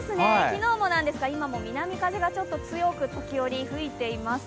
昨日もなんですが今も南風が強く時折吹いています。